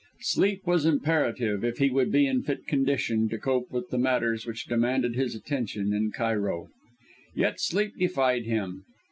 Sleep was imperative, if he would be in fit condition to cope with the matters which demanded his attention in Cairo. Yet sleep defied him.